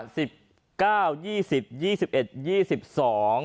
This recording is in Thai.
สิบเก้ายี่สิบยี่สิบเอ็ดยี่สิบสอง